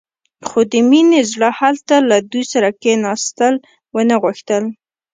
خو د مينې زړه هلته له دوی سره کښېناستل ونه غوښتل.